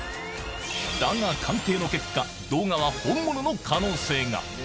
だが、鑑定の結果、動画は本物の可能性が。